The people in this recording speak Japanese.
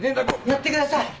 やってください！